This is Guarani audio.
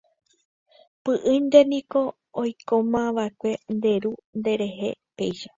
Py'ỹinte niko oikómiva'ekue nde ru rehe péicha.